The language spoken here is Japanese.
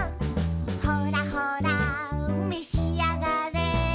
「ほらほらめしあがれ」